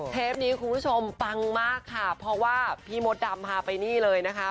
เทปนี้คุณผู้ชมปังมากค่ะเพราะว่าพี่มดดำพาไปนี่เลยนะคะ